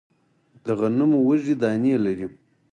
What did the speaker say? د غنمو وږی دانې لري